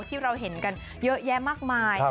ที่เราเห็นกันเยอะแยะมากมาย